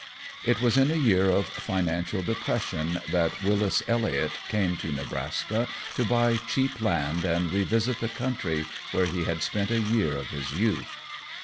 It was in a year of financial depression that Wyllis Elliot came to Nebraska to buy cheap land and revisit the country where he had spent a year of his youth.